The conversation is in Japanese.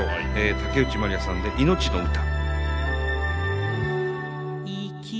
竹内まりやさんで「いのちの歌」。